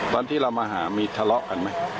วันที่เรามาหามีทะเลาะกันไหม